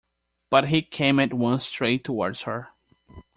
But he came at once straight towards her.